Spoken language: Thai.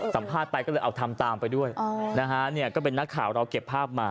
สัมภาษณ์ไปก็เลยเอาทำตามไปด้วยนะฮะเนี่ยก็เป็นนักข่าวเราเก็บภาพมา